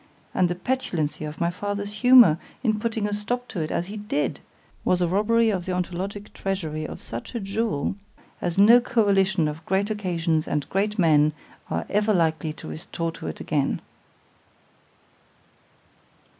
and the petulancy of my father's humour, in putting a stop to it as he did, was a robbery of the Ontologic Treasury of such a jewel, as no coalition of great occasions and great men are ever likely to restore to it again.